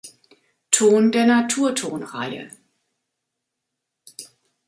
Ton der Naturtonreihe.